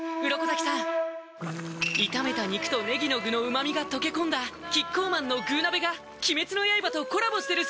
鱗滝さん炒めた肉とねぎの具の旨みが溶け込んだキッコーマンの「具鍋」が鬼滅の刃とコラボしてるそうです